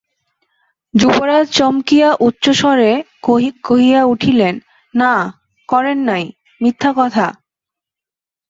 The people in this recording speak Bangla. যুবরাজ চমকিয়া উচ্চস্বরে কহিয়া উঠিলেন, না, করেন নাই, মিথ্যা কথা।